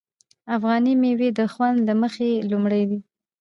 افغاني میوې د خوند له مخې لومړی دي.